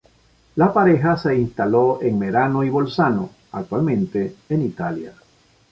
La pareja se instaló en Merano y Bolzano, actualmente en Italia.